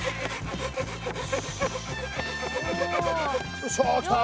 よいしょできた。